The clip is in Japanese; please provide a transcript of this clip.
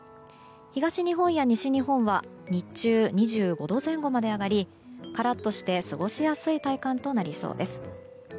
東日本や西日本では日中、２５度前後まで上がりカラッとして過ごしやすい体感となりそうです。